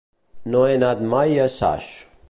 No he anat mai a Saix.